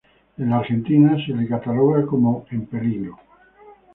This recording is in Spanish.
En la Argentina se lo cataloga como: en peligro.